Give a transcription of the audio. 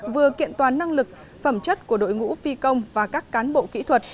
vừa kiện toàn năng lực phẩm chất của đội ngũ phi công và các cán bộ kỹ thuật